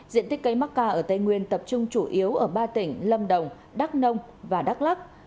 diện tích cây mắc ca ở tây nguyên tập trung chủ yếu ở ba tỉnh lâm đồng đắk nông và đắk lắc